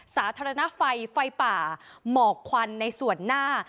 สาธารณไฟไฟป่าหมอกควันในส่วนหน้า